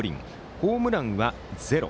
ホームランはゼロ。